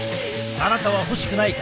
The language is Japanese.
あなたは欲しくないか？